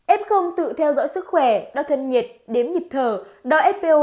ép không tự theo dõi sức khỏe đo thân nhiệt đếm nhịp thở